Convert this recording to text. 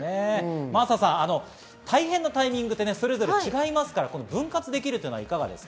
真麻さん、大変なタイミングはそれぞれ違いますから、分割できるのはいかがですか？